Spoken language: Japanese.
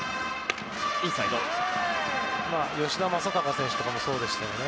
吉田正尚選手とかもそうでしたね。